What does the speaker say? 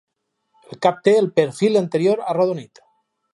El cap té el perfil anterior arrodonit.